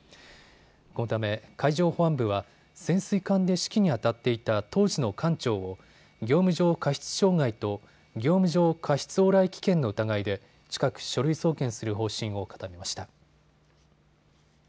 このため海上保安部は潜水艦で指揮にあたっていた当時の艦長を業務上過失傷害と業務上過失往来危険の疑いで近く書類送検する方針を固めました。